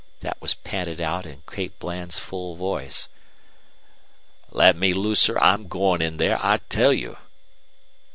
That was panted out in Kate Bland's full voice. "Let me looser I'm going in there, I tell you!"